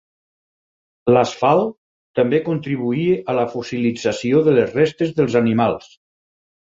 L'asfalt també contribuïa a la fossilització de les restes dels animals.